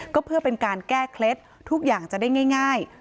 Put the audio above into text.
ก็เพื่อเป็นการแก้เคล็ดทุกอย่างจะได้ง่าย